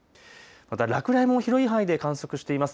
また落雷も広い範囲で観測しています。